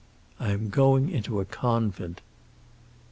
"I am going into a convent."